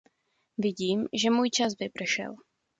Vidím, že můj čas vypršel.